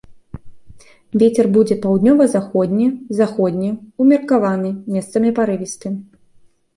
Вецер будзе паўднёва-заходні, заходні, умеркаваны, месцамі парывісты.